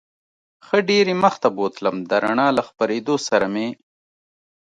ښه ډېر یې مخ ته بوتلم، د رڼا له خپرېدو سره مې.